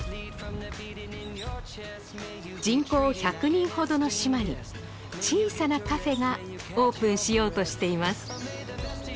人口１００人ほどの島に小さなカフェがオープンしようとしています